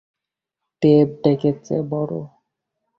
Tape ডেকের চেয়ে বড়।